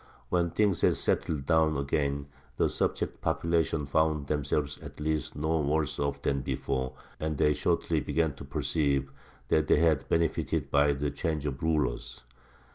When things had settled down again, the subject populations found themselves at least no worse off than before, and they shortly began to perceive that they had benefited by the change of rulers.